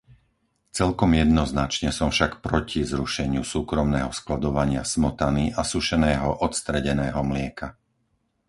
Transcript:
Celkom jednoznačne som však proti zrušeniu súkromného skladovania smotany a sušeného odstredeného mlieka.